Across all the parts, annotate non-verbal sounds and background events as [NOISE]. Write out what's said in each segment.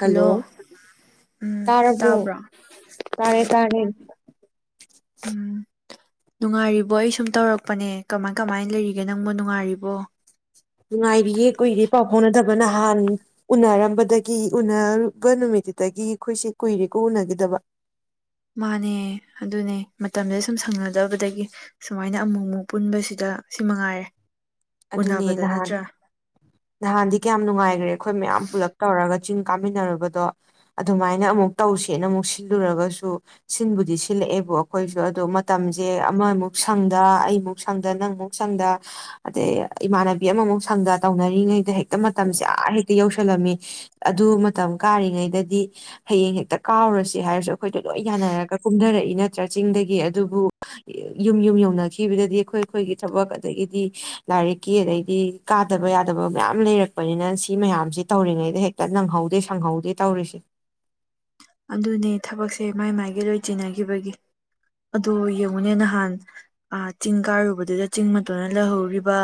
hello ꯎꯝ ꯇꯥꯔꯕꯣ ꯇꯥꯕ꯭ꯔꯣ ꯇꯥꯔꯦ ꯇꯥꯔꯦ ꯎꯝ ꯅꯨꯡꯉꯥꯏꯔꯤꯕꯣ ꯑꯩ ꯁꯨꯝ ꯇꯧꯔꯛꯄꯅꯦ ꯀꯃꯥꯏ ꯀꯃꯥꯏꯅ ꯂꯩꯔꯤꯒꯦ ꯅꯪꯕꯨ ꯅꯨꯡꯉꯥꯏꯔꯤꯕꯣ ꯅꯨꯡꯉꯥꯏꯔꯤꯌꯦꯦ ꯀꯨꯏꯔ ꯄꯥꯎ ꯐꯥꯎꯅꯗꯕ ꯅꯍꯥꯟ ꯎꯅꯔꯝꯕꯗꯒꯤ ꯎꯅꯔꯕ ꯅꯨꯃꯤꯠꯇꯨꯗꯒꯤ ꯑꯩꯈꯣꯏꯁꯦ ꯀꯨꯏꯔꯦꯀꯣ ꯎꯅꯈꯤꯗꯕ ꯃꯥꯅꯦ ꯑꯗꯨꯅꯦ ꯃꯇꯝꯁꯗ ꯁꯨꯝ ꯁꯪꯅꯗꯕꯗꯒꯤ ꯁꯨꯃꯥꯏꯅ ꯑꯃꯨꯛ ꯑꯃꯨꯛ ꯄꯨꯟꯕꯁꯤꯗ ꯁꯤ ꯃꯉꯥꯏꯔꯦ ꯑꯗꯨꯅꯦ ꯎꯅꯕꯗ ꯅꯍꯥꯟ ꯅꯠꯇ꯭ꯔꯥ ꯅꯍꯥꯟꯗꯤ ꯀꯌꯥꯝ ꯅꯨꯡꯉꯥꯏꯈ꯭ꯔꯦ ꯑꯩꯈꯣꯏ ꯃꯌꯥꯝ ꯄꯨꯂꯞ ꯇꯧꯔꯒ ꯀ ꯆꯤꯡ ꯀꯥꯃꯤꯟꯅꯨꯔꯕꯗꯣ ꯑꯗꯨꯃꯥꯏꯅ ꯑꯃꯨꯛ ꯇꯧꯁꯦꯅ ꯑꯃꯨꯛ ꯁꯤꯜꯂꯨꯔꯒꯁꯨ ꯁꯤꯟꯕꯨꯗꯤ ꯁꯤꯜꯂꯛꯑꯦꯕ ꯑꯩꯈꯣꯏꯁꯨ ꯑꯗꯣ ꯃꯇꯝꯁꯦ ꯑꯃꯃꯨꯛ ꯁꯪꯗ ꯑꯩꯃꯨꯛ ꯁꯪꯗ ꯅꯪꯃꯨꯛ ꯁꯪꯗ ꯑꯗꯩ ꯏꯃꯥꯟꯅꯕꯤ ꯑꯃꯃꯨꯛ ꯁꯪꯗ ꯇꯧꯅꯔꯤꯉꯩꯗ ꯍꯦꯛ ꯃꯇꯝꯁꯦꯥ ꯍꯦꯛꯇ ꯌꯧ ꯆꯜꯂꯝꯃꯤ ꯑꯗꯨ ꯃꯇꯝ ꯀꯥꯔꯤꯉꯩꯗꯗꯤ ꯍꯌꯦꯡ ꯍꯦꯛꯇ ꯀꯥꯎꯔꯁꯤ ꯍꯥꯏꯔꯁꯨ ꯑꯩꯈꯣꯏꯗ ꯂꯣꯏ ꯌꯥꯅꯔꯒ ꯀꯨꯝꯊꯔꯛꯏ ꯅꯠꯇ꯭ꯔꯥ ꯆꯤꯡꯗꯒꯤ ꯑꯗꯨꯕꯨ ꯌꯨꯝ ꯌꯨꯝ ꯌꯧꯅꯈꯤꯕꯗꯗꯤ ꯑꯩꯈꯣꯏ ꯑꯩꯈꯣꯏꯒꯤ ꯊꯕꯛ ꯑꯗꯒꯤꯗꯤ ꯂꯥꯏꯔꯤꯛꯀꯤ ꯑꯗꯩꯗꯤ ꯀꯥꯗꯕ ꯌꯥꯗꯕ ꯃꯌꯥꯝ ꯂꯩꯔꯛꯄꯅꯤꯅ ꯁꯤ ꯃꯌꯥꯝꯁꯤ ꯇꯧꯔꯤꯉꯩꯗ ꯍꯦꯛꯇ ꯅꯪꯍꯧꯗꯦ ꯁꯪꯍꯧꯗꯦ ꯇꯧꯔꯤꯁꯦ ꯑꯗꯨꯅꯦ ꯊꯕꯛꯁꯦ ꯃꯥꯏ ꯃꯥꯏꯒꯤ ꯂꯣꯏ ꯆꯤꯟꯅꯈꯤꯕꯒꯤ ꯑꯗꯨ ꯌꯦꯡꯉꯨꯅꯦ ꯅꯍꯥꯟ ꯆꯤꯡ ꯀꯥꯔꯨꯕꯗꯨꯗ ꯆꯤꯡ ꯃꯇꯣꯟꯅ ꯂꯩꯍꯧꯔꯤꯕ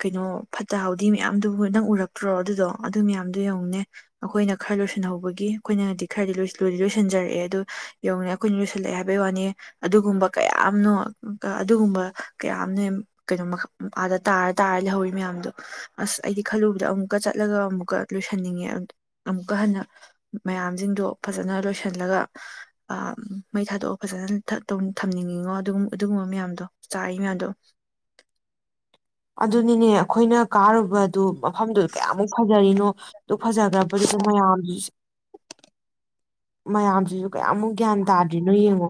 ꯀꯩꯅꯣ ꯐꯠꯇ ꯍꯥꯎꯊꯤ ꯃꯌꯥꯝꯗꯨꯕꯨ ꯅꯪ ꯎꯔꯛꯇ꯭ꯔꯣ ꯑꯗꯨꯗꯣ ꯑꯗꯨ ꯃꯌꯥꯝꯗꯣ ꯌꯦꯡꯉꯨꯅꯦ ꯑꯩꯈꯣꯏꯅ ꯈꯔ ꯂꯣꯏꯁꯤꯟꯍꯧꯕꯒꯤ ꯑꯩꯈꯣꯏꯅꯗꯤ ꯈꯔꯗꯤꯗꯤ ꯂꯣꯏꯁꯤꯟꯖꯔꯛꯑꯦ ꯑꯗꯨ ꯌꯧꯅꯤ ꯑꯩꯈꯣꯏꯅ ꯂꯣꯏꯁꯜꯂꯛꯑꯦ ꯍꯥꯏꯕꯩ ꯋꯥꯅꯤ ꯑꯗꯨꯒꯨꯝꯕ ꯀꯌꯥꯅꯣ ꯑꯗꯨꯒꯨꯝꯕ ꯀꯌꯥ ꯑꯃꯅ ꯀꯩꯅꯣ ꯑꯥꯗ ꯇꯥꯔ ꯇꯥꯔ ꯂꯩꯍꯧꯔꯤ ꯃꯌꯥꯝꯗꯣ ꯑꯁ ꯑꯩꯗꯤ ꯈꯜꯂꯨꯕꯗ ꯑꯃꯨꯛꯀ ꯆꯠꯂꯒ ꯑꯃꯨꯛꯀ ꯂꯣꯏꯁꯟꯅꯤꯡꯉꯦ ꯑꯃꯨꯛꯀ ꯍꯟꯅ ꯃꯌꯥꯝꯁꯤꯡ ꯑꯗꯨꯣ ꯐꯖꯅ ꯂꯣꯏꯁꯤꯜꯂꯒ ꯃꯩ ꯊꯥꯗꯣꯛꯑ ꯐꯖꯅ ꯊꯝꯅꯤꯡꯉꯤꯉꯣ ꯑꯗꯨꯒ ꯑꯗꯨꯒꯨꯝꯕ ꯃꯌꯥꯝꯗꯣ ꯆꯥꯔꯤ ꯃꯌꯥꯝꯗꯣ ꯑꯗꯨꯅꯤꯅꯦ ꯑꯩꯈꯣꯏꯅ ꯀꯥꯔꯨꯕ ꯑꯗꯨ ꯃꯐꯝꯗꯨꯗ ꯀꯌꯥꯃꯨꯛ ꯐꯖꯔꯤꯅꯣ ꯑꯗꯨ ꯐꯖꯈ꯭ꯔꯕꯗꯨꯗ ꯃꯌꯥꯝ ꯃꯌꯥꯝꯁꯤꯁꯨ ꯀꯌꯥꯃꯨꯛ ꯒ꯭ꯌꯥꯟ ꯇꯥꯗ꯭ꯔꯤꯅꯣ ꯌꯦꯡꯉꯣ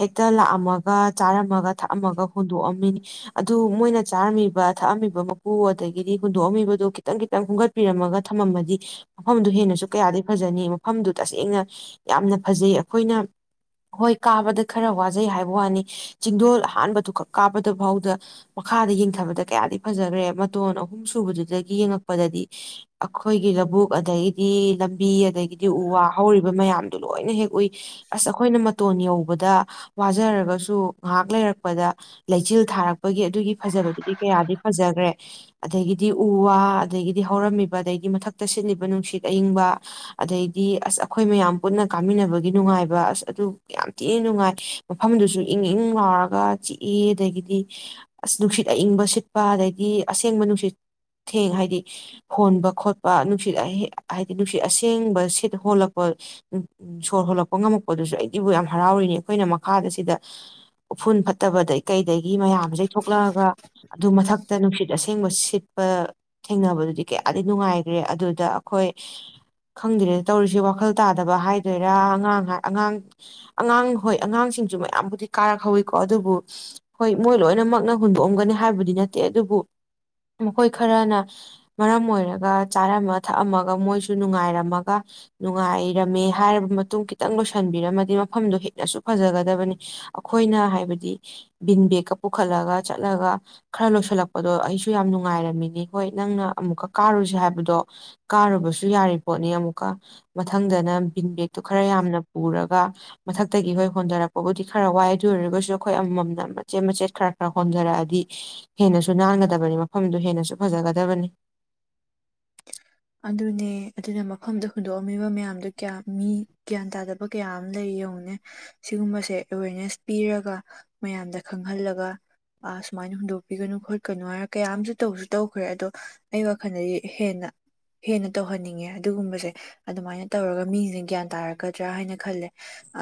ꯍꯦꯛꯇ ꯂꯥꯛꯑꯝꯃꯒ ꯆꯥꯔꯝꯃꯒ ꯊꯛꯑꯝꯃꯒ ꯍꯨꯟꯗꯣꯛꯑꯝꯃꯤꯅꯤ ꯑꯗꯨ ꯃꯣꯏꯅ ꯆꯥꯔꯝꯃꯤ ꯊꯛꯑꯝꯃꯤꯕ ꯃꯀꯨ ꯑꯗꯒꯤꯗꯤ ꯍꯨꯟꯗꯣꯛꯑꯝꯃꯤꯕꯗꯨꯣ ꯈꯤꯇꯪ ꯈꯤꯇꯪ ꯈꯨꯝꯝꯒꯠꯄꯤꯔꯝꯃꯒ ꯊꯝꯃꯝꯃꯗꯤ ꯃꯐꯝꯗꯨ ꯍꯦꯟꯅꯁꯨ ꯀꯌꯥꯗꯤꯩ ꯐꯖꯅꯤ ꯃꯐꯝꯗꯨ ꯇꯁꯦꯡꯅ ꯌꯥꯝꯅ ꯐꯖꯩ ꯑꯩꯈꯣꯏꯅ ꯍꯣꯏ ꯀꯥꯕꯗ ꯈꯔ ꯋꯥꯖꯩ ꯍꯥꯏꯕ ꯋꯥꯅꯤ ꯆꯤꯡꯗꯣꯜ ꯑꯍꯥꯟꯕꯗꯨ ꯈꯛ ꯀꯥꯕꯗ ꯐꯥꯎꯗ ꯃꯈꯥꯗ ꯌꯦꯡꯊꯕꯗ ꯀꯌꯥꯗꯤ ꯐꯖꯈ꯭ꯔꯦ ꯃꯇꯣꯟ ꯑꯍꯨꯝ ꯁꯨꯕꯗꯨꯗꯒꯤ ꯌꯦꯡꯉꯛꯄꯗꯗꯤ ꯑꯩꯈꯣꯏꯒꯤ ꯂꯧꯕꯨꯛ ꯑꯗꯒꯤꯗꯤ ꯕꯤ ꯑꯗꯒꯤꯗꯤ ꯎ ꯋꯥ ꯍꯧꯔꯤꯕ ꯃꯌꯥꯝꯗꯨꯣ ꯂꯣꯏꯅ ꯍꯦꯛꯒꯣꯏ ꯑꯁ ꯑꯩꯈꯣꯏꯅ ꯃꯇꯣꯟ ꯌꯧꯕ ꯔ ꯉꯥꯏ ꯂꯩꯔꯛ ꯂꯩꯆꯤꯜ ꯊꯥꯔꯛꯄꯒꯤ ꯑꯗꯨꯒꯤ ꯐꯖꯕ ꯁꯤ ꯀꯌꯥꯗꯤ ꯐꯖꯈ꯭ꯔꯦ ꯑꯗꯒꯤꯗꯤ ꯎ ꯋꯥ ꯑꯗꯒꯤꯗꯤ ꯍꯧꯔꯝꯃꯤꯕ ꯑꯗꯩꯗꯤ ꯃꯊꯛꯇ ꯁꯤꯠꯂꯤꯕ ꯅꯨꯡꯁꯤꯠ ꯑꯏꯤꯡꯕ ꯑꯗꯩꯗꯤ ꯑꯁ ꯑꯩꯈꯣꯏ ꯃꯌꯥꯝ ꯄꯨꯟꯅ ꯀꯥꯃꯤꯟꯅꯕꯒꯤ ꯅꯨꯡꯉꯥꯏꯕ ꯑꯁ ꯑꯗꯨ ꯌꯥꯝ ꯊꯤꯅ ꯅꯨꯡꯉꯥꯏ ꯃꯐꯝꯗꯨꯁꯨ ꯏꯪ ꯏꯪ ꯂꯥꯎꯔꯒ ꯆꯤꯛꯏ ꯑꯗꯒꯤꯗꯤ ꯑꯁ ꯅꯨꯡꯁꯤꯠ ꯏꯪꯕ ꯁꯤꯠꯄ ꯑꯗꯩꯗꯤ ꯑꯁꯦꯡꯕ ꯅꯨꯡꯁꯤꯠ ꯊꯦꯡ ꯍꯥꯏꯗꯤ ꯍꯣꯟꯕ ꯈꯣꯠꯄ ꯅꯨꯡꯁꯤꯠ ꯍꯥꯏꯗꯤ ꯅꯨꯡꯁꯤꯠ ꯑꯁꯦꯡꯕ ꯁꯤꯠ ꯍꯣꯜꯂꯛꯄ ꯁꯣꯔ ꯍꯣꯜꯂꯛꯄ ꯉꯝꯃꯛꯄꯗꯨꯁꯨ ꯑꯩꯗꯤꯕꯨ ꯌꯥꯝ ꯍꯔꯥꯎꯔꯤꯅꯤ ꯑꯩꯈꯣꯏꯅ ꯃꯈꯥꯗ ꯁꯤꯗ ꯎꯐꯨꯟ ꯐꯠꯇꯕꯗ ꯀꯩꯗꯒꯤ ꯃꯌꯥꯝꯁ ꯊꯣꯛꯂꯛꯑꯒ ꯑꯗꯨ ꯃꯊꯛꯇ ꯅꯨꯡꯁꯤꯠ ꯑꯁꯦꯡꯕ ꯁꯤꯠꯄ ꯊꯦꯡꯅꯕꯗꯨꯗꯤ ꯀꯌꯥꯗꯤ ꯅꯨꯡꯉꯥꯏꯈ꯭ꯔꯦ ꯑꯗꯨꯗ ꯑꯩꯈꯣꯏ ꯈꯪꯗ꯭ꯔꯦ ꯇꯧꯔꯤꯁꯦ ꯋꯥꯈꯜ ꯇꯥꯗꯕ ꯍꯥꯏꯗꯣꯏꯔꯥ ꯑꯉꯥꯡ ꯑꯉꯥꯡ ꯑꯉꯥꯡ ꯍꯣꯏ ꯑꯉꯥꯡꯁꯤꯡꯁꯨ ꯃꯌꯥꯝꯕꯨꯗꯤ ꯀꯥꯔꯛꯍꯧꯋꯤꯀꯣ ꯑꯗꯨꯕꯨ ꯍꯣꯏ ꯃꯣꯏ ꯂꯣꯏꯅꯃꯛꯅ ꯍꯨꯟꯗꯣꯛꯑꯝꯒꯅꯤ ꯍꯥꯏꯕꯗꯤ ꯅꯠꯇꯦ ꯑꯗꯨꯕꯨ ꯃꯈꯣꯏ ꯈꯔꯅ ꯃꯔꯝ ꯑꯣꯏꯔꯒ ꯆꯥꯔꯝꯃ ꯊꯛꯑꯝꯃꯒ ꯃꯣꯏꯁꯨ ꯅꯨꯡꯉꯥꯏꯔꯝꯃꯒ ꯅꯨꯡꯉꯥꯏꯔꯝꯃꯦ ꯍꯥꯏꯔꯕ ꯃꯇꯨꯡ ꯈꯤꯇꯪ ꯂꯣꯏꯁꯤꯟꯕꯤꯔꯝꯃꯗꯤ ꯃꯐꯝꯗꯣ ꯍꯦꯟꯅꯁꯨ ꯐꯖꯒꯗꯕꯅꯤ ꯑꯩꯈꯣꯏꯅ ꯍꯥꯏꯕꯗꯤ ꯕꯤꯟ ꯕꯦꯦꯛꯀ ꯄꯨꯈꯠꯂꯒ ꯆꯠꯂꯒ ꯈꯔ ꯂꯣꯏꯁꯤꯜꯂꯛꯄꯗꯣ ꯑꯩꯁꯨ ꯌꯥꯝ ꯅꯨꯡꯉꯥꯏꯔꯝꯃꯤꯅꯤ ꯍꯣꯏ ꯅꯪꯅ ꯑꯃꯨꯛꯀ ꯀꯥꯔꯨꯁ ꯍꯥꯏꯕꯗꯣ ꯀꯥꯔꯨꯕꯁꯨ ꯌꯥꯔꯤ ꯄꯣꯠꯅꯤ ꯑꯃꯨꯛꯀ ꯃꯊꯪꯗꯅ ꯕꯤꯟꯕꯦꯛ ꯑꯗꯨ ꯈꯔ ꯌꯥꯝꯅ ꯄꯨꯔꯒ ꯃꯊꯛꯇꯒꯤ ꯍꯣꯏ ꯍꯣꯟꯊꯔꯛꯄꯕꯨꯗꯤ ꯈꯔ ꯋꯥꯏ ꯑꯗꯨ ꯑꯣꯏꯔꯒꯁꯨ ꯑꯩꯈꯣꯏ ꯑꯃꯃꯝꯅ ꯃꯆꯦꯠ ꯃꯆꯦꯠ ꯈꯔ ꯈꯔ ꯍꯣꯟꯊꯔꯛꯑꯗꯤ ꯍꯦꯟꯅꯁꯨ ꯅꯥꯟꯒꯗꯕꯅꯤ ꯃꯐꯝꯗꯨ ꯍꯦꯟꯅꯁꯨ ꯐꯖꯒꯗꯕꯅꯤ ꯑꯗꯨꯅꯦ ꯑꯗꯨꯅ ꯃꯐꯝꯗ ꯍꯨꯟꯗꯣꯛꯑꯝꯃꯤꯕ ꯃꯌꯥꯝꯗꯣ ꯀꯌꯥ ꯃꯤ ꯒ꯭ꯌꯥꯟ ꯇꯥꯗꯕ ꯀꯌꯥ ꯑꯃ ꯂꯩ ꯌꯦꯡꯉꯨꯅꯦ ꯁꯤꯒꯨꯝꯕꯁꯦ ꯑꯦꯋꯦꯔꯅꯦꯁ ꯄꯤꯔꯒ ꯃꯌꯥꯝꯗ ꯈꯪꯍꯜꯂꯒ ꯁꯨꯃꯥꯏꯅ ꯍꯨꯟꯗꯣꯛꯄꯤꯒꯅꯨ ꯈꯣꯠꯀꯅꯨ ꯍꯥꯏꯅ ꯀꯌꯥ ꯑꯃꯁꯨ ꯇꯧꯁꯨ ꯇꯧꯈ꯭ꯔꯦ ꯑꯗꯣ ꯑꯩ ꯋꯥꯈꯜꯗꯗꯤ ꯍꯦꯟꯅ ꯍꯦꯟꯅ ꯇꯧꯍꯟꯅꯤꯡꯉꯦ ꯑꯗꯨꯒꯨꯝꯕꯁꯦ ꯑꯗꯨꯃꯥꯏꯅ ꯇꯧꯔꯒ ꯃꯤꯁꯦ ꯒ꯭ꯌꯥꯟ ꯇꯥꯔꯛꯀꯗ꯭ꯔꯥ ꯍꯥꯏꯅ ꯈꯜꯂꯦ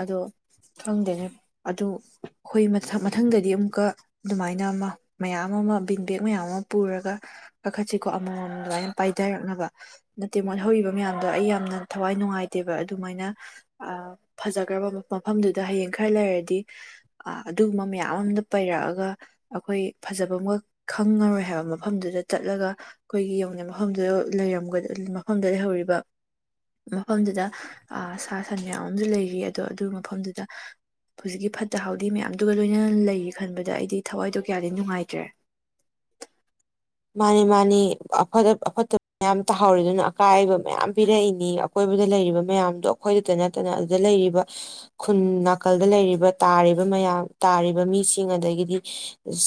ꯑꯗꯣ ꯈꯪꯗꯅꯤ ꯑꯗꯨ ꯑꯩꯈꯣꯏ ꯃꯊꯪ ꯃꯊꯪꯗꯗꯤ ꯑꯃꯨꯛꯀ ꯑꯗꯨꯃꯥꯏꯅ ꯑꯃ ꯃꯌꯥꯝ ꯑꯃ ꯕꯤꯟ ꯕꯦꯦꯛ ꯃꯌꯥꯝ ꯑꯃ ꯄꯨꯔꯒ ꯀꯥꯈꯠꯁꯤꯀꯣ ꯑꯃꯃꯝ ꯑꯗꯨꯃꯥꯏꯅ ꯄꯥꯏꯊꯔꯛꯅꯕ ꯅꯠꯇꯦ ꯃꯣꯠꯍꯧꯔꯤꯕ ꯃꯌꯥꯝꯗꯣ ꯑꯩ ꯌꯥꯝꯅ ꯊꯋꯥꯏ ꯅꯨꯡꯉꯥꯏꯇꯦꯕ ꯑꯗꯨꯃꯥꯏꯅ ꯑ ꯐꯖꯈ꯭ꯔꯕ ꯃꯐꯝꯗꯨꯗ ꯍꯌꯦꯡ ꯈꯔ ꯂꯩꯔꯗꯤ ꯑ ꯑꯗꯨꯒꯨꯝꯕ ꯃꯌꯥꯝ ꯑꯝꯗ ꯄꯩꯔꯛꯑꯒ ꯑꯩꯈꯣꯏ ꯐꯖꯕ ꯑꯃꯒ ꯈꯪꯉꯔꯣꯏ ꯍꯥꯏꯕ ꯃꯐꯝꯗꯨꯗ ꯆꯠꯂꯒ ꯑꯩꯈꯣꯏꯒꯤ ꯌꯧ ꯃꯐꯝꯗꯨꯗ ꯂꯩ ꯃꯐꯝꯗꯨꯗ ꯂꯩꯍꯧꯔꯤꯕ ꯃꯐꯝꯗꯨꯗ ꯁꯥ ꯁꯟ ꯃꯌꯥꯝ ꯑꯃꯁꯨ ꯂꯩꯔꯤ ꯑꯗꯣ ꯑꯗꯨꯒꯤ ꯃꯐꯝꯗꯨꯗ ꯍꯧꯖꯤꯛꯀꯤ ꯐꯠꯇ ꯍꯥꯎꯊꯤ ꯃꯌꯥꯝꯗꯨꯒ ꯂꯣꯏꯅ ꯂꯩꯔꯤ ꯈꯟꯕꯗ ꯑꯩꯗꯤ ꯊꯋꯥꯏꯗꯣ ꯀꯌꯥꯗꯤ ꯅꯨꯡꯉꯥꯏꯇ꯭ꯔꯦ ꯃꯥꯅꯤ ꯃꯥꯅꯤꯐ ꯑꯐꯠꯇꯕ ꯃꯌꯥꯝ ꯇꯥꯍꯧꯔꯤ ꯑꯗꯨꯅ ꯑꯀꯥꯏꯕ ꯃꯌꯥꯝ ꯄꯤꯔꯛꯏꯅꯤ ꯑꯀꯣꯏꯕꯗ ꯂꯩꯔꯤꯕ ꯃꯌꯥꯝꯗꯣ ꯑꯩꯈꯣꯏꯗꯇ ꯅꯠꯇꯅ ꯑꯗꯨꯗ ꯂꯩꯔꯤꯕ ꯈꯨꯟ ꯅꯥꯀꯜꯗ ꯂꯩꯔꯤꯕ ꯇꯥꯔꯤꯕ ꯃꯌꯥꯝ ꯇꯥꯔꯤꯕ ꯃꯤꯁꯤꯡ ꯑꯗꯒꯤꯗꯤ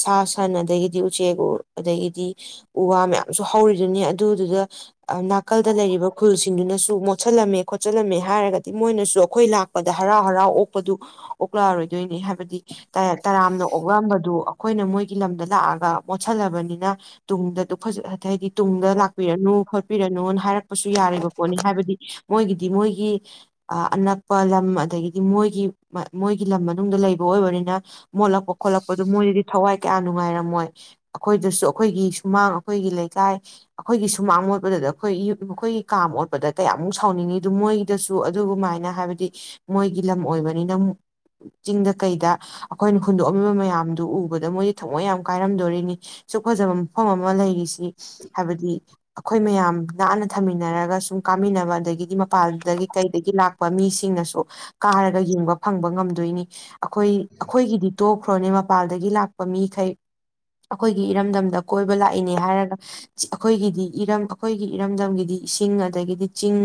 ꯁꯥ ꯁꯟ ꯑꯗꯒꯤꯗꯤ ꯎꯆꯦꯛ ꯎ ꯑꯗꯒꯤꯗꯤ ꯎ ꯋꯥ ꯃꯌꯥꯝꯁꯨ ꯍꯧꯔꯤꯗꯨꯅꯤ ꯑꯗꯨꯗꯨꯗ ꯅꯥꯀꯜꯗ ꯂꯩꯔꯤꯕ ꯈꯨꯜꯁꯤꯡꯗꯨꯅꯁꯨ ꯃꯣꯠꯁꯤꯜꯂꯝꯃꯦ ꯈꯣꯠꯆꯜꯂꯝꯃꯦ ꯍꯥꯏꯔꯒꯗꯤ ꯃꯣꯏꯅꯁꯨ ꯑꯩꯈꯣꯏ ꯂꯥꯛꯄꯗ ꯍꯔꯥꯎ ꯍꯔꯥꯎ ꯑꯣꯛꯄꯗꯨ ꯑꯣꯛꯂꯛꯑꯔꯣꯏꯗꯣꯏꯅꯤ ꯍꯥꯏꯕꯗꯤ ꯇꯔꯥꯝꯅ ꯑꯣꯛꯂꯛꯝꯕꯗꯨ ꯑꯩꯈꯣꯏꯅ ꯃꯣꯏꯒꯤ ꯂꯝꯗ ꯂꯥꯛꯑꯒ ꯃꯣꯠꯁꯤꯜꯂꯕꯅꯤꯅ ꯇꯨꯡꯗ ꯐꯖ ꯍꯥꯏꯗꯤ ꯇꯨꯡꯗ ꯂꯥꯛꯄꯤꯔꯅꯨ ꯈꯣꯠꯄꯤꯔꯅꯨꯅ ꯍꯥꯏꯔꯛꯄꯁꯨ ꯌꯥꯔꯤꯕ ꯄꯣꯠꯅꯤ ꯍꯥꯏꯕꯗꯤ ꯃꯣꯏꯒꯤꯗꯤ ꯃꯣꯏꯒꯤ ꯑꯅꯛꯄ ꯂꯝ ꯑꯗꯒꯤꯗꯤ ꯃꯣꯏꯒꯤ ꯃꯣꯏꯒꯤ ꯂꯝ ꯃꯅꯨꯡꯗ ꯂꯩꯕ ꯑꯣꯏꯕꯅꯤꯅ ꯃꯣꯠꯂꯛꯄ ꯈꯣꯠꯂꯛꯄꯗ ꯃꯣꯏꯗꯗꯤ ꯊꯋꯥꯏ ꯀꯌꯥ ꯅꯨꯡꯉꯥꯏꯔꯝꯃꯣꯏ ꯑꯩꯈꯣꯏꯗꯁꯨ ꯑꯩꯈꯣꯏꯒꯤ ꯁꯨꯃꯥꯡ ꯑꯩꯈꯣꯏꯒꯤ ꯂꯩꯀꯥꯏ ꯑꯩꯈꯣꯏꯒꯤ ꯁꯨꯃꯥꯡ ꯃꯣꯠꯄꯗ ꯑꯩꯈꯣꯏ ꯃꯈꯈꯣꯏꯒꯤ ꯀꯥ ꯑꯣꯣꯠꯄꯗ ꯀꯌꯥꯃꯨꯛ ꯁꯥꯎꯅꯤꯡꯉꯤ ꯑꯗꯨ ꯃꯣꯏꯗꯁꯨ ꯑꯗꯨꯃꯥꯏꯅ ꯍꯥꯏꯕꯗꯤ ꯃꯣꯏꯒꯤ ꯂꯝ ꯑꯣꯏꯕꯅꯤꯅꯨ ꯆꯤꯡꯗ ꯀꯩꯗ ꯑꯩꯈꯣꯏꯅ ꯍꯨꯟꯗꯣꯛꯑꯝꯃꯤꯕ ꯃꯌꯥꯝꯗꯨ ꯎꯕꯗ ꯃꯣꯏꯗꯤ ꯊꯃꯣꯏ ꯌꯥꯝ ꯀꯥꯏꯔꯝꯗꯣꯔꯤꯅꯤ ꯁꯨꯛ ꯐꯖꯕ ꯃꯐꯝ ꯑꯃ ꯂꯩꯔꯤꯁꯤ ꯍꯥꯏꯕꯗꯤ ꯑꯩꯈꯣꯏ ꯃꯌꯥꯝ ꯅꯥꯟꯅ ꯊꯝꯃꯤꯟꯅꯔꯒ ꯁꯨꯝ ꯀꯥꯃꯤꯟꯅꯕ ꯑꯗꯒꯤꯗꯤ ꯃꯄꯥꯟꯗꯒꯤ ꯀꯩꯗꯒꯤ ꯂꯥꯛꯄ ꯃꯤꯁꯤꯡꯅꯁꯨ ꯀꯥꯔꯒ ꯌꯦꯡꯕ ꯐꯪꯕ ꯉꯝꯗꯣꯏꯅꯤ ꯑꯩꯈꯣꯏ ꯑꯩꯈꯣꯏꯒꯤꯗꯤ ꯇꯣꯛꯈ꯭ꯔꯣꯅꯦ ꯊꯄꯥꯜꯗꯒꯤ ꯂꯥꯛꯄ ꯃꯤꯈꯩ ꯑꯩꯈꯣꯏꯒꯤ ꯏꯔꯝꯗꯝꯗ ꯀꯣꯏꯕ ꯂꯥꯛꯏꯅꯦ ꯍꯥꯏꯔꯒ ꯑꯩꯈꯣꯏꯒꯤꯗꯤ ꯏꯔꯝ ꯑꯩꯈꯣꯏꯒꯤ ꯏꯔꯝꯗꯝꯒꯤꯗꯤ ꯏꯁꯤꯡ ꯑꯗꯒꯤꯗꯤ ꯆꯤꯡ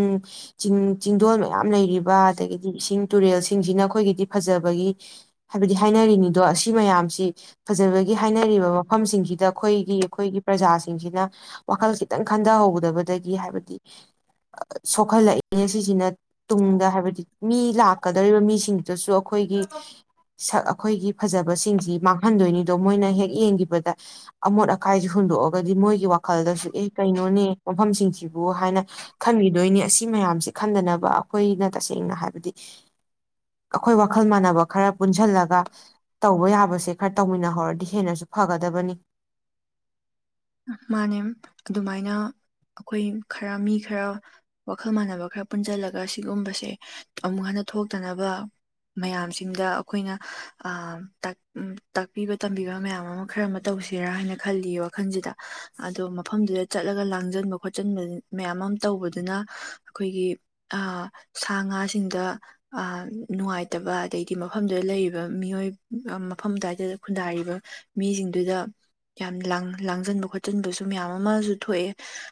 ꯆꯤꯡ ꯆꯤꯡꯗꯣꯜ ꯃꯌꯥꯝ ꯂꯩꯔꯤꯕ ꯑꯗꯒꯤꯗꯤ ꯏꯁꯤꯡ ꯇꯨꯔꯦꯜꯁꯤꯡꯁꯤꯅ ꯑꯩꯈꯣꯏꯒꯤꯗꯤ ꯐꯖꯕꯒꯤ ꯍꯥꯏꯕꯗꯤ ꯍꯥꯏꯅꯔꯤꯅꯤꯗꯣ ꯑꯁꯤ ꯃꯌꯥꯝꯁꯤ ꯐꯖꯕꯒꯤ ꯍꯥꯏꯅꯔꯤꯕ ꯃꯐꯝꯁꯤꯡꯁꯤꯗ ꯑꯩꯈꯣꯏ ꯄ꯭ꯔꯖꯥꯁꯤꯡꯁꯤꯅ ꯋꯥꯈꯜ ꯈꯤꯇꯪ ꯈꯟꯊꯍꯧꯒꯗꯕ ꯗꯗꯒꯤ ꯍꯥꯏꯕꯗꯤ ꯁꯣꯛꯍꯜꯂꯛꯏꯅꯦ ꯁꯤꯁꯤꯅ ꯇꯨꯡꯗ ꯍꯥꯏꯕꯗꯤ ꯃꯤ ꯂꯥꯛꯀꯗꯧꯔꯤꯕ ꯃꯤꯁꯤꯡꯗꯨꯗꯁꯨ ꯑꯩꯈꯣꯏꯒꯤ ꯁꯛ ꯑꯩꯈꯣꯏꯒꯤ ꯐꯖꯕꯁꯤꯡꯁꯤ ꯃꯥꯡꯍꯟꯗꯣꯏꯅꯤꯗꯣ ꯃꯣꯏꯅ ꯍꯦꯛ ꯌꯦꯡꯈꯤꯕꯗ ꯑꯃꯣꯠ ꯑꯀꯥꯏꯁꯦ ꯍꯨꯟꯗꯣꯛꯑꯒꯗꯤ ꯃꯣꯏꯒꯤ ꯋꯥꯈꯜꯗꯁꯨ ꯑꯦ ꯀꯩꯅꯣꯅꯦ ꯃꯐꯝꯁꯤꯡꯁꯤꯕꯨ ꯍꯥꯏꯅ ꯈꯟꯕꯤꯗꯣꯏꯅꯤ ꯑꯁꯤ ꯃꯌꯥꯝꯁꯦ ꯈꯟꯗꯅꯕ ꯑꯩꯈꯣꯏꯅ ꯇꯁꯦꯡꯅ ꯍꯥꯏꯕꯗꯤ ꯑꯩꯈꯣꯏ ꯋꯥꯈꯜ ꯃꯥꯟꯅꯕ ꯈꯔ ꯄꯨꯟꯁꯤꯜꯂꯒ ꯇꯧꯕ ꯌꯥꯕꯁꯦ ꯈꯔ ꯇꯧꯃꯤꯟꯅꯍꯧꯔꯗꯤ ꯍꯦꯟꯅꯁꯨ ꯐꯒꯗꯕꯅꯤ ꯃꯥꯅꯦ ꯑꯗꯨꯃꯥꯏꯅ ꯑꯩꯈꯣꯏ ꯈꯔ ꯃꯤ ꯈꯔ ꯋꯥꯈꯜ ꯃꯥꯟꯅꯕ ꯈꯔ ꯄꯨꯟꯁꯤꯜꯂꯒ ꯁꯤꯒꯨꯝꯕꯁꯦ ꯑꯃꯨꯛ ꯍꯟꯅ ꯊꯣꯛꯇꯅꯕ ꯃꯌꯥꯝꯁꯤꯡꯗ ꯑꯩꯈꯣꯏꯅ ꯇꯥꯛꯄꯤꯕ ꯇꯝꯕꯤꯕ ꯃꯌꯥꯝ ꯑꯃ ꯈꯔ ꯑꯃ ꯇꯧꯁꯤꯔꯥ ꯍꯥꯏꯅ ꯈꯜꯂꯤ ꯋꯥꯈꯜꯁꯤꯗ ꯑꯗꯣ ꯃꯐꯝꯗꯨꯗ ꯆꯠꯂꯒ ꯂꯥꯡꯁꯤꯟꯕ ꯈꯣꯠꯆꯟꯕ ꯃꯌꯥꯝ ꯑꯃ ꯇꯧꯕꯗꯨꯅ ꯑꯩꯈꯣꯏꯒꯤ ꯁꯥ ꯉꯥꯁꯤꯡꯗ ꯅꯨꯡꯉꯥꯏꯇꯕ ꯑꯗꯩꯗꯤ ꯃꯐꯝꯗꯨꯗ ꯂꯩꯔꯤꯕ ꯃꯤꯑꯣꯏ ꯃꯐꯝ ꯑꯗꯨꯋꯥꯏꯗ ꯈꯨꯟꯗꯥꯔꯤꯕ ꯃꯤꯁꯤꯡꯗꯨꯗ ꯌꯥꯝ ꯂ ꯂꯥꯡꯖꯟꯕ ꯈꯣꯠꯆꯤꯟꯕꯁꯨ ꯃꯌꯥꯝ ꯑꯃꯁꯨ ꯊꯣꯛꯑꯦ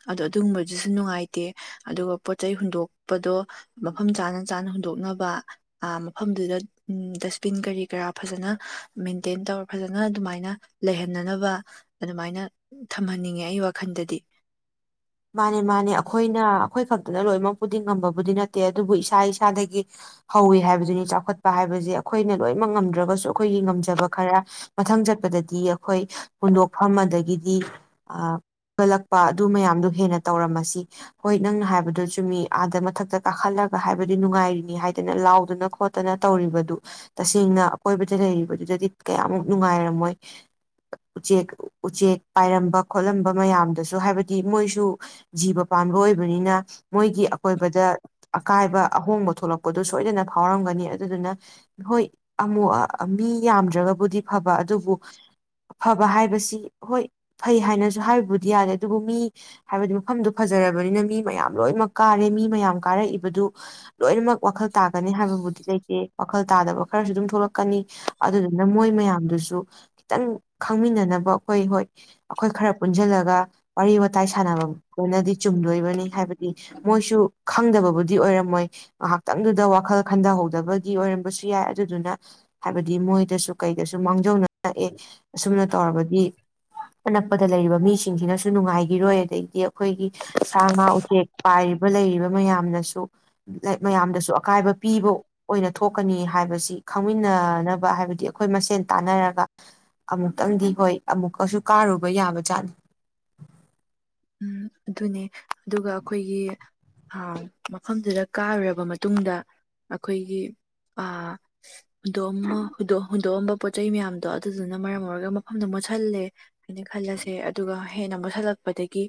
ꯑꯗꯣ ꯑꯗꯨꯒꯨꯝꯕꯗꯨꯁꯨ ꯅꯨꯡꯉꯥꯏꯇꯦ ꯑꯗꯨꯒ ꯄꯣꯠ ꯆꯩꯩ ꯍꯨꯟꯗꯣꯛꯄꯗꯣ ꯃꯐꯝ ꯆꯥꯅ ꯆꯥꯅ ꯍꯨꯟꯗꯣꯛꯅꯕ ꯃꯐꯝꯗꯨꯗ ꯗꯁꯕꯤꯟ ꯀꯔꯤ ꯀꯔꯥ ꯐꯖꯅ ꯃꯦꯟꯇꯦꯟ ꯇꯧꯔ ꯐꯖꯅ ꯑꯗꯨꯃꯥꯏꯅ ꯂꯩꯍꯟꯅꯅꯕ ꯑꯗꯨꯃꯥꯏꯅ ꯊꯝꯍꯟꯅꯤꯡꯉꯦ ꯑꯩ ꯋꯥꯈꯜꯗꯗꯤ ꯃꯥꯅꯦ ꯃꯥꯅꯦ ꯑꯩꯈꯣꯏꯅ ꯑꯩꯈꯣꯏ ꯈꯛꯇ ꯑꯗꯨꯅ ꯂꯣꯏꯅꯃꯛꯄꯨꯗꯤ ꯉꯝꯕꯕꯨꯗꯤ ꯅꯠꯇꯦ ꯑꯗꯨꯕꯨ ꯏꯁꯥ ꯏꯁꯥꯗꯒꯤ ꯍꯧꯋꯤ ꯍꯥꯏꯕꯗꯨꯅꯤ ꯆꯥꯎꯈꯠꯄ ꯍꯥꯏꯕꯁꯦ ꯑꯩꯈꯣꯏꯅ ꯂꯣꯏꯅꯃꯛ ꯉꯝꯗ꯭ꯔꯒꯁꯨ ꯑꯩꯈꯣꯏꯒꯤ ꯉꯝꯖꯕ ꯈꯔ ꯃꯊꯪ ꯆꯠꯄꯗꯗꯤ ꯑꯩꯈꯣꯏ ꯍꯨꯟꯗꯣꯛꯐꯝ ꯑꯗꯒꯤꯗꯤ ꯑ ꯀꯒꯠꯂꯛꯄ ꯑꯗꯨ ꯃꯌꯥꯝꯗꯨ ꯍꯦꯟꯅ ꯇꯧꯔꯝꯃꯁꯤ ꯍꯣꯏ ꯅꯪꯅ ꯍꯥꯏꯕꯗꯨꯁꯨꯨꯝꯃꯤ ꯑꯥꯗ ꯃꯊꯛꯇ ꯀꯥꯈꯠꯂꯒ ꯍꯥꯏꯕꯗꯤ ꯅꯨꯡꯉꯥꯏꯔꯤꯅꯤ ꯍꯥꯏꯗꯅ ꯂꯥꯎꯗꯅ ꯈꯣꯠꯇꯅ ꯇꯧꯔꯤꯕꯗꯨ ꯇꯁꯦꯡꯅ ꯑꯀꯣꯏꯕꯗ ꯂꯩꯔꯤꯕꯗꯨꯗꯗꯤ ꯀꯌꯥꯃꯨꯛ ꯅꯨꯡꯉꯥꯏꯔꯝꯃꯣꯏ ꯎꯆꯦꯛ ꯎꯆꯦꯛ ꯄꯥꯏꯔꯝꯕ ꯈꯣꯠꯂꯝꯕ ꯃꯌꯥꯝꯗꯁꯨ ꯍꯥꯏꯕꯗꯤ ꯃꯣꯏ ꯁꯨ ꯖꯤꯕ ꯄꯥꯟꯕ ꯑꯣꯏꯕꯅꯤꯅ ꯃꯣꯏꯒꯤ ꯑꯀꯣꯏꯕꯗ ꯑꯀꯥꯏꯕ ꯑꯍꯣꯡꯕ ꯊꯣꯛꯂꯛꯄꯗꯣ ꯁꯣꯏꯗꯅ ꯐꯥꯎꯔꯝꯒꯅꯤ ꯑꯗꯨꯗꯨꯅ ꯍꯣꯏ ꯑꯃꯨ ꯃꯤ ꯌꯥꯝꯗ꯭ꯔꯒꯕꯨꯗꯤ ꯐꯕ ꯑꯗꯨꯕꯨ ꯐꯕ ꯍꯥꯏꯕꯁꯤ ꯍꯣꯏ ꯐꯩ ꯍꯥꯏꯅꯁꯨ ꯍꯥꯏꯕꯕꯨꯗꯤ ꯌꯥꯗꯦ ꯑꯗꯨꯕꯨ ꯃꯤ ꯍꯥꯏꯕꯗꯤ ꯃꯐꯝꯗꯨ ꯐꯖꯔꯕꯅꯤꯅ ꯃꯤ ꯃꯌꯥꯝ ꯂꯣꯏꯅꯃꯛ ꯀꯥꯔꯦ ꯃꯤ ꯃꯌꯥꯝ ꯀꯥꯔꯛꯏꯕꯗꯨ ꯂꯣꯏꯅꯃꯛ ꯋꯥꯈꯜ ꯇꯥꯒꯅꯤ ꯍꯥꯏꯕꯕꯨꯗꯤ ꯂꯩ ꯋꯥꯈꯜ ꯇꯥꯗꯕ ꯈꯔꯁꯨ ꯑꯗꯨꯝ ꯊꯣꯛꯂꯛꯀꯅꯤ ꯑꯗꯨꯗꯨꯅ ꯃꯣꯏ ꯃꯌꯥꯝꯗꯨꯁꯨ ꯈꯤꯇꯪ ꯈꯪꯃꯤꯟꯅꯅꯕ ꯑꯩꯈꯣꯏ ꯍꯣꯏ ꯑꯩꯈꯣꯏ ꯈꯔ ꯄꯨꯟꯁꯤꯜꯂꯒ ꯋꯥꯔꯤ ꯋꯥꯇꯥꯏ ꯁꯥꯟꯅꯕꯗꯨꯅꯗꯤ ꯆꯨꯝꯗꯣꯏꯕꯅꯤ ꯍꯥꯏꯕꯗꯤ ꯃꯣꯏꯁꯨ ꯈꯪꯗꯕꯕꯨꯗꯤ ꯑꯣꯏꯔꯝꯃꯣꯏ ꯉꯥꯏꯍꯥꯛꯇꯪꯗꯨꯗ ꯋꯥꯈꯜ ꯈꯟꯊꯍꯧꯗꯕꯗꯤ ꯑꯣꯏꯔꯝꯕꯁꯨ ꯌꯥꯏ ꯑꯗꯨꯗꯨꯅ ꯍꯥꯏꯕꯗꯤ ꯃꯣꯏꯗꯁꯨ ꯀꯩꯗꯁꯨ ꯃꯥꯡꯖꯧꯅꯉꯛꯑꯦ ꯑꯁꯨꯝꯅ ꯇꯧꯔꯕꯗꯤ ꯑꯅꯛꯄꯗ ꯂꯩꯔꯤꯕ ꯃꯤꯁꯤꯡꯁꯤꯅꯁꯨ ꯅꯨꯡꯉꯥꯏꯈꯤꯔꯣꯏ ꯑꯗꯒꯤꯗꯤ ꯑꯩꯈꯣꯏꯒꯤ ꯁ ꯎꯆꯦꯛ ꯄꯥꯏ ꯂꯩꯔꯤꯕ ꯃꯌꯥꯝꯅꯁꯨ ꯃꯌꯥꯝꯗꯁꯨ ꯑꯀꯥꯏꯕ ꯄꯤꯕ ꯑꯣꯏꯅ ꯊꯣꯛꯀꯅꯤ ꯍꯥꯏꯕꯁꯤ ꯈꯪꯃꯤꯟꯅꯅꯕ ꯍꯥꯏꯕꯗꯤ ꯑꯩꯈꯣꯏ ꯃꯁꯦꯟ ꯇꯥꯟꯅꯔꯒ ꯑꯃꯨꯛꯇꯪꯗꯤ ꯍꯣꯏ ꯑꯃꯨꯛꯀꯁꯨ ꯀꯥꯔꯨꯕ ꯌꯥꯕ ꯆꯥꯟ ꯎꯝ ꯑꯗꯨꯅꯦ ꯑꯗꯨꯒ ꯑꯩꯈꯣꯏꯒꯤ ꯃꯐꯝꯗꯨꯗ ꯀꯥꯔꯨꯔꯕ ꯃꯇꯨꯡꯗ ꯑꯩꯈꯣꯏꯒꯤ ꯍꯨꯟꯗꯣꯛꯑꯝꯕ ꯍꯨꯟꯗꯣꯛꯑꯝꯕ ꯄꯣꯠꯆꯩ ꯃꯌꯥꯝꯗꯣ ꯑꯗꯨꯗꯨꯅ ꯃꯔꯝ ꯑꯣꯏꯔꯒ ꯃꯐꯝꯗꯣ ꯃꯣꯠꯁꯜꯂꯦ ꯍꯥꯏꯅ ꯈꯜꯂꯁꯦ ꯑꯗꯨꯒ ꯍꯦꯟꯅ ꯃꯣꯠꯁꯤꯜꯂꯛꯄꯗꯒꯤ ꯀ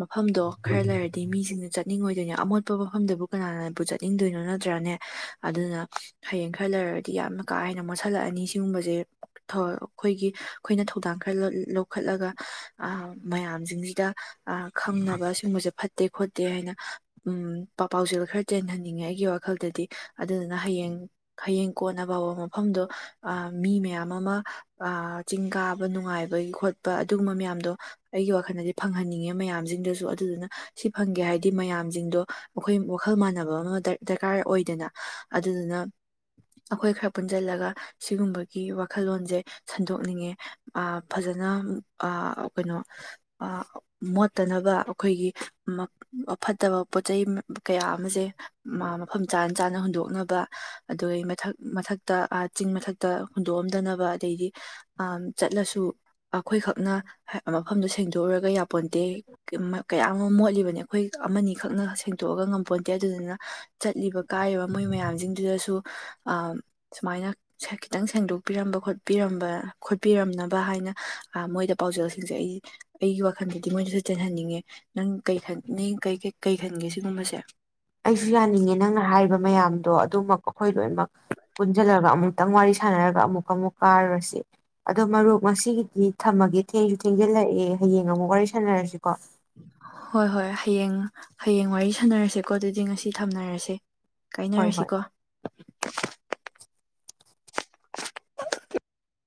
ꯃꯐꯝꯗꯣ ꯈꯔ ꯂꯩꯔꯗꯤ ꯃꯤꯁꯤꯡꯅ ꯆꯠ ꯆꯠꯅꯤꯡꯉ ꯑꯣꯏꯗꯣꯏꯅꯦ ꯑꯃꯣꯠꯄ ꯃꯐꯝꯗꯕꯨ ꯀꯅꯥꯅꯕꯨ ꯆꯠꯅꯤꯡꯗꯣꯏꯅꯣ ꯅꯠꯇ꯭ꯔꯥꯅꯦ ꯑꯗꯨꯅ ꯍꯌꯦꯡ ꯈꯔ ꯂꯩꯔꯒꯗꯤ ꯌꯥꯝꯅ ꯀꯥ ꯍꯦꯟꯅ ꯃꯣꯠꯁꯤꯜꯂꯛꯑꯅꯤ ꯁꯤꯒꯨꯝꯕꯁꯦ ꯑꯩꯈꯣꯏꯒꯤ ꯑꯩꯈꯣꯏꯅ ꯊꯧꯗꯥꯡ ꯈꯔ ꯂꯧꯈꯠꯂꯒ ꯃꯌꯥꯝꯁꯤꯡꯁꯤꯗ ꯈꯪꯅꯕ ꯁꯒꯨꯝꯕꯁꯦ ꯐꯠ ꯐꯠꯇꯦ ꯈꯣꯠꯇꯦ ꯍꯥꯏꯅ ꯎ ꯄꯥꯎꯖꯦꯜ ꯈꯔ ꯆꯦꯜꯍꯟꯅꯤꯡꯉꯦ ꯑꯩꯒꯤ ꯋꯥꯈꯜꯗꯗꯤ ꯑꯗꯨꯗꯨꯅ ꯍꯌꯦꯡ ꯍꯌꯦꯡ ꯀꯣꯟꯅ ꯐꯕ ꯃꯐꯝꯗꯣ ꯃꯤ ꯃꯌꯥꯝ ꯑꯃ ꯆꯤꯡ ꯀꯥꯕ ꯅꯨꯡꯉꯥꯏꯕꯒꯤ ꯈꯣꯠꯄ ꯑꯗꯨꯒꯨꯝꯕ ꯃꯌꯥꯝꯗꯣ ꯑꯩꯒꯤ ꯋꯥꯈꯜꯗꯗꯤ ꯐꯪꯍꯟꯅꯤꯡꯉꯦ ꯃꯌꯥꯝꯁꯤꯡꯗꯁꯨ ꯑꯗꯨꯗꯨꯅ ꯁꯤ ꯐꯪꯒꯦ ꯍꯥꯏꯗꯤ ꯃꯌꯥꯝꯁꯤꯡꯗꯣ ꯑꯩꯈꯣꯏ ꯋꯥꯈꯜ ꯃꯥꯟꯅꯕ ꯑꯃ ꯗꯔꯀꯥꯔ ꯑꯣꯏꯗꯅ ꯑꯗꯨꯗꯨꯅ ꯑꯩꯈꯣꯏ ꯈꯔ ꯄꯨꯟꯁꯤꯜꯂꯒ ꯁꯤꯒꯨꯝꯕꯒꯤ ꯋꯥꯈꯜꯂꯣꯟꯁꯦ ꯁꯟꯗꯣꯛꯅꯤꯡꯉꯦ ꯐꯖꯅ ꯀꯩꯅꯣ ꯃꯣꯠꯇꯅꯕ ꯑꯩꯈꯣꯏꯒꯤ ꯐꯠꯇꯕ ꯄꯣꯠ ꯆꯩ ꯀꯌꯥ ꯑꯃꯁꯦ ꯃꯐꯝ ꯆꯥꯅ ꯆꯥꯅ ꯍꯨꯟꯗꯣꯛꯅꯕ ꯑꯗꯒꯤ ꯃꯊꯛ ꯃꯊꯛꯇ ꯆꯤꯡ ꯃꯊꯛꯇ ꯍꯨꯟꯗꯣꯛꯑꯝꯗꯅꯕ ꯑꯗꯩꯗꯤ ꯆꯠꯂꯁꯨ ꯑꯩꯈꯣꯏꯈꯛꯅ ꯃꯐꯝꯗꯣ ꯁꯦꯡꯗꯣꯛ ꯇꯎꯔꯒ ꯌꯥꯄꯣꯟꯇꯦ ꯀꯌꯥ ꯑꯃ ꯃꯣꯠꯂꯤꯕꯅꯦ ꯑꯩꯈꯣꯏ ꯑꯃꯅꯤꯈꯛꯅ ꯁꯦꯡꯇꯣꯛꯑꯒ ꯉꯝꯄꯣꯟꯇꯦ ꯑꯗꯨꯗꯨꯅ ꯆꯠꯂꯤꯕ ꯀꯥꯏꯔꯤꯕ ꯃꯣꯏ ꯃꯌꯥꯝꯁꯤꯡꯗꯨꯗꯁꯨ ꯁꯨ ꯁꯨꯃꯥꯏꯅ ꯈꯤꯇꯪ ꯁꯦꯡꯗꯣꯛꯄꯤꯔꯝꯕ ꯈꯣꯠꯄꯤꯔꯝꯕ ꯈꯣꯠꯄꯤꯔꯝꯅꯕ ꯍꯥꯏꯅ ꯃꯣꯏꯗ ꯄꯥꯎꯖꯦꯜꯁꯤꯡꯁꯦ ꯑꯩ ꯑꯩꯒꯤ ꯋꯥꯈꯜꯗꯗꯤ ꯃꯣꯏꯅꯁꯨ ꯆꯦꯟꯍꯟꯅꯤꯡꯉꯦ ꯅꯪ ꯀꯩ ꯅꯪ ꯀꯩ ꯈꯟꯒꯦ ꯁꯤꯒꯨꯝꯕꯁꯦ ꯑꯩꯁꯨ ꯌꯥꯅꯤꯡꯉꯦ ꯅꯪꯅ ꯍꯥꯏꯔꯤꯕ ꯃꯌꯥꯝꯗꯣ ꯑꯗꯨꯃꯀꯣ ꯑꯩꯈꯣꯏ ꯂꯣꯏꯅꯃꯛ ꯄꯨꯟꯁꯤꯜꯂꯒ ꯑꯃꯨꯛꯇꯪ ꯋꯥꯔꯤ ꯁꯥꯥꯟꯅꯔꯒ ꯑꯃꯨꯛ ꯑꯃꯨꯛ ꯀꯥꯔꯨꯔꯁꯤ ꯑꯗꯣ ꯃꯔꯨꯞ ꯉꯁꯤꯒꯤꯗꯤ ꯊꯝꯃꯒꯦ ꯊꯦꯡꯁꯨ ꯊꯦꯡꯖꯤꯜꯂꯛꯑꯦ ꯍꯌꯦꯡ ꯑꯃꯨꯛ ꯋꯥꯔꯤ ꯁꯥꯟꯅꯔꯁꯤꯀꯣ ꯍꯣꯏ ꯍꯣꯏ ꯍꯌꯦꯡ ꯍꯌꯦꯡ ꯋꯥꯔꯤ ꯁꯥꯟꯅꯔꯁꯤꯦ ꯀꯣ ꯑꯗꯨꯗꯤ ꯉꯁꯤ ꯊꯝꯅꯔꯁꯦ ꯍꯣꯏ ꯍꯣꯏ ꯀꯥꯏꯅꯔꯁꯤꯀꯣ [UNINTELLIGIBLE]